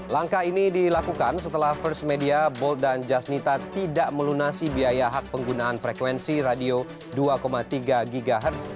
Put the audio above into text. langkah ini dilakukan setelah first media boll dan jasnita tidak melunasi biaya hak penggunaan frekuensi radio dua tiga ghz